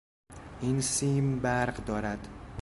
این سیم برق دارد.